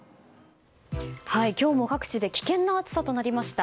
今日も各地で危険な暑さとなりました。